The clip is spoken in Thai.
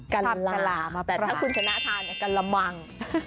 กัลลาแต่ถ้าคุณชนะทานกัลลามัง